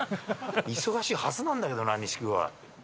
忙しいはずなんだけどな、錦鯉。